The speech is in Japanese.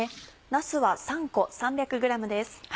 なすは３個３００ｇです。